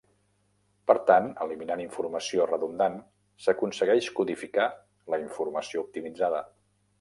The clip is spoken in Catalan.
Per tan eliminant informació redundant s'aconsegueix codificar la informació optimitzada.